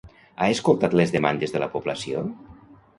Ha escoltat les demandes de la població?